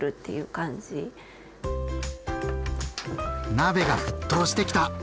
鍋が沸騰してきた！